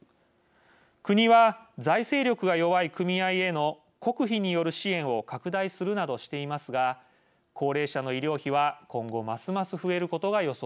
国は財政力が弱い組合への国費による支援を拡大するなどしていますが高齢者の医療費は今後ますます増えることが予想されます。